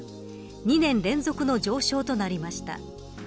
２年連続の上昇となりました。